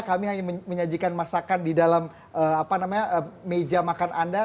kami hanya menyajikan masakan di dalam meja makan anda